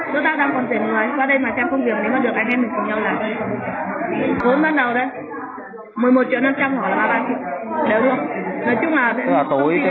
tức là tối thiểu là bao nhiêu